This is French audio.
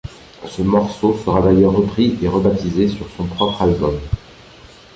Ce morceau sera d'ailleurs repris et rebaptisé ' sur son propre album.